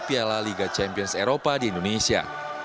piala liga champions eropa di indonesia